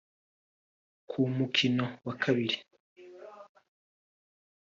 Ku mukino wa kabiri